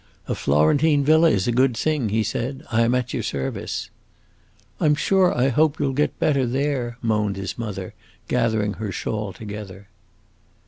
"A Florentine villa is a good thing!" he said. "I am at your service." "I 'm sure I hope you 'll get better there," moaned his mother, gathering her shawl together.